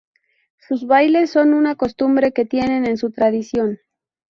Sus bailes son una costumbre que tienen en su tradición.